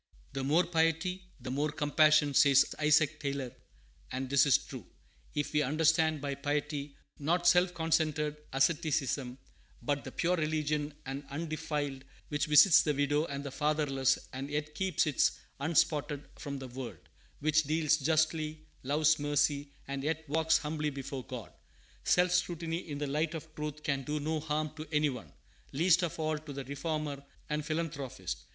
"The more piety, the more compassion," says Isaac Taylor; and this is true, if we understand by piety, not self concentred asceticism, but the pure religion and undefiled which visits the widow and the fatherless, and yet keeps itself unspotted from the world, which deals justly, loves mercy, and yet walks humbly before God. Self scrutiny in the light of truth can do no harm to any one, least of all to the reformer and philanthropist.